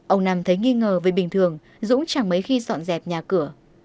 ông năm thấy nghi ngờ với bình thường dũng chẳng mấy khi dọn dẹp nhà cửa